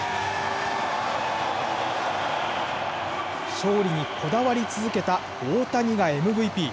勝利にこだわり続けた大谷がＭＶＰ。